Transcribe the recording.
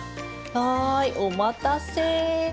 はいお待たせ。